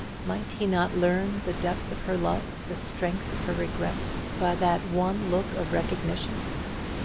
Might he not learn the depth of her love, the strength of her regret, by that one look of recognition?